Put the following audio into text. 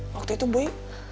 waktu itu boy